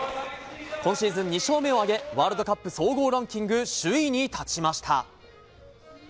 今シーズン２勝目を挙げワールドカップ総合ランキング首位に立ちました。